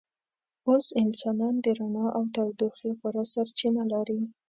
اوس انسانان د رڼا او تودوخې غوره سرچینه لري.